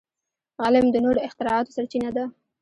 علم د نوو اختراعاتو سرچینه ده.